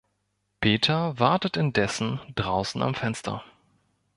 Peter wartet indessen draußen am Fenster.